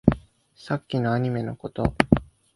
さっきのアニメのこと